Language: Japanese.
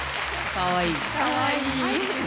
かわいい。